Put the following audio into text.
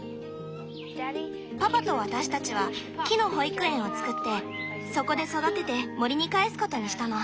パパと私たちは木の保育園をつくってそこで育てて森に帰すことにしたの。